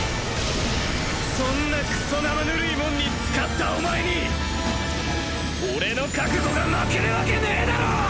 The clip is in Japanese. そんなクソなまぬるいモンにつかったお前に俺の覚悟が負けるわけねえだろ！